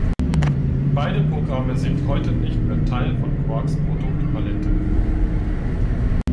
Beide Programme sind heute nicht mehr Teil von Quarks Produktpalette.